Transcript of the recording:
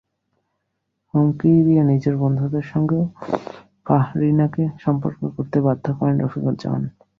হুমকি দিয়ে নিজের বন্ধুদের সঙ্গেও ফাহরিনাকে সম্পর্ক গড়তে বাধ্য করেন রফিকুজ্জামান।